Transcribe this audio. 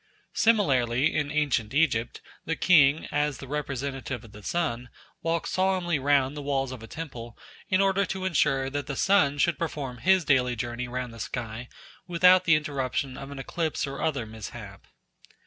Similarly in ancient Egypt the king, as the representative of the sun, walked solemnly round the walls of a temple in order to ensure that the sun should perform his daily journey round the sky without the interruption of an eclipse or other mishap.